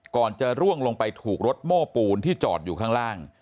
ก่อนจะร่วงลงไปถูกรถโม้ปูนที่จอดอยู่ข้างล่าง